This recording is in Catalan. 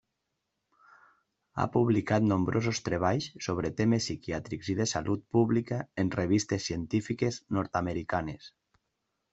Ha publicat nombrosos treballs sobre temes psiquiàtrics i de salut pública en revistes científiques nord-americanes.